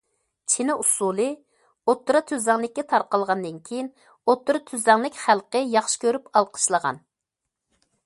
‹‹ چىنە ئۇسسۇلى›› ئوتتۇرا تۈزلەڭلىككە تارقالغاندىن كېيىن، ئوتتۇرا تۈزلەڭلىك خەلقى ياخشى كۆرۈپ ئالقىشلىغان.